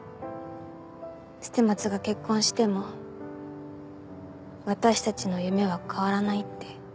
捨松が結婚しても私たちの夢は変わらないって。